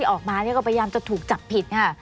ออกมาก็พยายามจะถูกจับผิดค่ะ